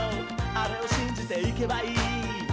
あれをしんじていけばいい」